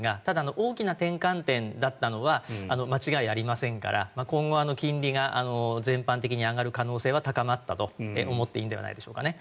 大きな転換点だったのは間違いありませんから今後、金利が全般的に上がる可能性は高まったと思っていいのではないでしょうか。